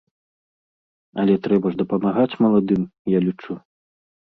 Але трэба ж дапамагаць маладым, я лічу.